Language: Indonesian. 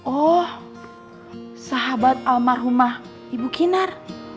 oh sahabat almarhumah ibu kinar